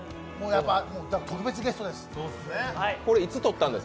特別ゲストです。